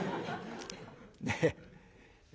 ねえ。